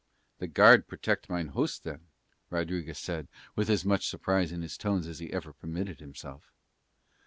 "The guard protect mine host then." Rodriguez said with as much surprise in his tones as he ever permitted himself.